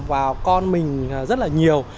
vào con mình rất là nhiều